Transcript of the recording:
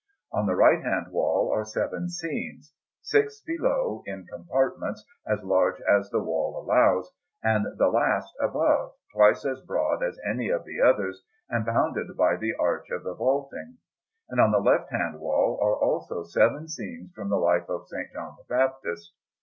On the right hand wall are seven scenes six below, in compartments as large as the wall allows, and the last above, twice as broad as any of the others and bounded by the arch of the vaulting; and on the left hand wall are also seven scenes from the life of S. John the Baptist.